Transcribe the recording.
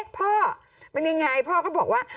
พ่อมันยังไงพ่อก็บอกว่า